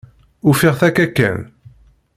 Ufiɣ-t akka kan.